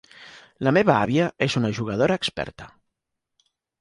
La meva àvia és una jugadora experta.